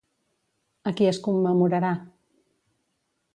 A qui es commemorarà?